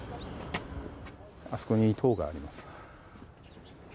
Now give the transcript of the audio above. あそこに塔があります。